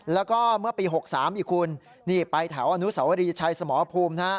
แล้วก็เมื่อปี๖๓อีกคุณนี่ไปแถวอนุสวรีชัยสมรภูมินะฮะ